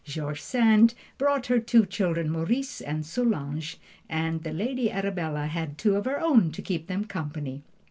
George Sand brought her two children, Maurice and Solange, and the "Lady Arabella" had two of her own to keep them company.